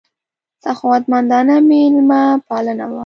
سخاوتمندانه مېلمه پالنه وه.